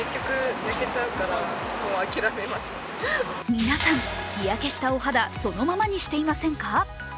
皆さん、日焼けしたお肌、そのままにしていませんか？